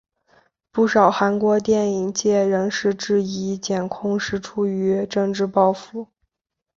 不少韩国电影界人士质疑检控是出于政治报复。